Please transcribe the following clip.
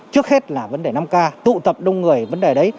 trước hết là vấn đề năm k tụ tập đông người vấn đề đấy